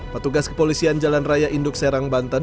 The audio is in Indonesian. petugas kepolisian jalan raya induk serang banten